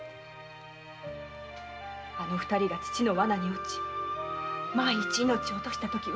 あの二人が父のワナに落ち万一命を落とした時は。